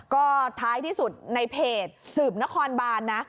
ก็ท้ายที่สุดในเพจสืบนครบานนะ